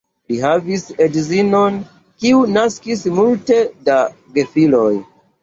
Li havis edzinon, kiu naskis multe da gefiloj.